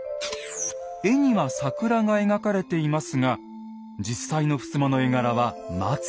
絵には桜が描かれていますが実際のふすまの絵柄は松。